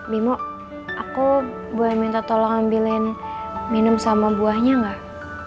bimo aku boleh minta tolong ambilin minum sama buahnya gak